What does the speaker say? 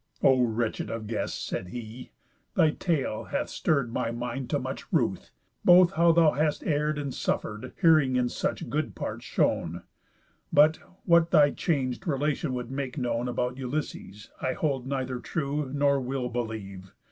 "O wretch of guests," said he, "thy tale hath stirr'd My mind to much ruth, both how thou hast err'd, And suffer'd, hearing in such good parts shown. But, what thy chang'd relation would make known About Ulysses, I hold neither true, Nor will believe.